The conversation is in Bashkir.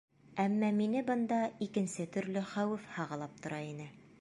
Әммә мине бында икенсе төрлө хәүеф һағалап тора ине.